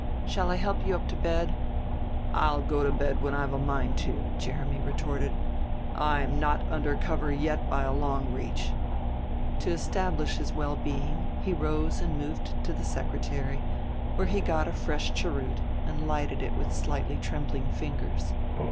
"Shall I help you up to bed?" "I'll go to bed when I've a mind to," Jeremy retorted. "I am not under cover yet by a long reach." To establish his well being he rose and moved to the secretary, where he got a fresh cheroot, and lighted it with slightly trembling fingers.